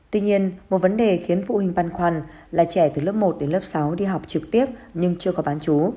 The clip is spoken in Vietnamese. tuy nhiên một vấn đề khiến phụ huynh băn khoăn là trẻ từ lớp một đến lớp sáu đi học trực tiếp nhưng chưa có bán chú